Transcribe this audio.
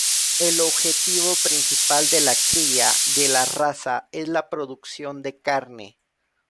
El objetivo principal de la cría de la raza es la producción de carne.